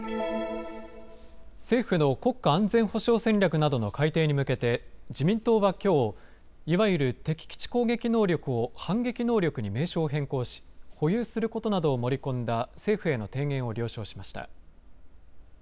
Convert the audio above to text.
政府の国家安全保障戦略などの改定に向けて自民党はきょういわゆる敵基地攻撃能力を反撃能力に名称を変更し保有することなどを盛り込んだ政府への提言を了承しました。